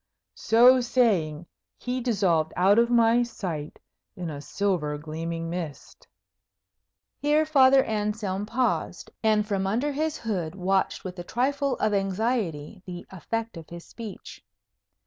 So saying, he dissolved out of my sight in a silver gleaming mist." Here Father Anselm paused, and from under his hood watched with a trifle of anxiety the effect of his speech.